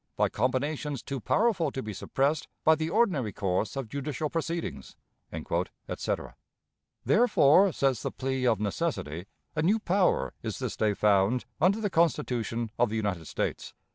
by combinations too powerful to be suppressed by the ordinary course of judicial proceedings," etc. Therefore, says the plea of necessity, a new power is this day found under the Constitution of the United States.